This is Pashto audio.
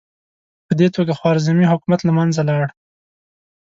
په دې توګه خوارزمي حکومت له منځه لاړ.